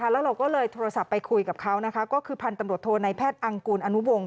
แล้วเราก็เลยโทรศัพท์ไปคุยกับเขาก็คือพันธุ์ตำรวจโทในแพทย์อังกูลอนุวงศ